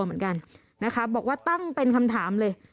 เหมือนกันนะคะบอกว่าตั้งเป็นคำถามเลย